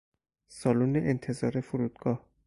سالن انتظار فرودگاه